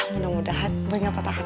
mudah mudahan boy gak patah hati